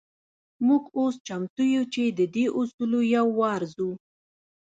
موږ اوس چمتو يو چې د دې اصولو يو وارزوو.